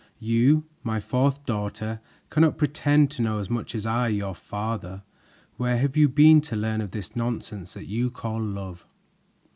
You, my fourth daughter, cannot pretend to know as much as I, your father. Where have you been to learn of this nonsense that you call love?"